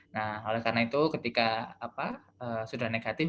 nah oleh karena itu ketika sudah negatif